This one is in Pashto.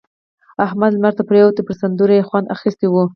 احمد لمر ته پروت وو؛ پر سندرو يې خوند اخيستی وو.